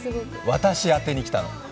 私宛てに来たの。